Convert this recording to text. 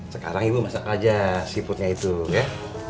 sekarang ibu masak aja seafoodnya itu ya